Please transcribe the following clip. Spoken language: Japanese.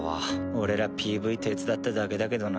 俺らＰＶ手伝っただけだけどな。